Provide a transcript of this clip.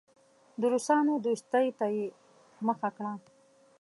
د روسانو دوستۍ ته یې مخه کړه.